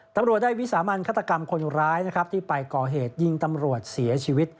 ตำรวจได้วิสามันฆาตกรรมคนร้ายนะครับที่ไปก่อเหตุยิงตำรวจเสียชีวิต